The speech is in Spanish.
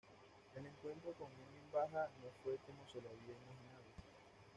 El encuentro con Emin Bajá no fue como se lo había imaginado.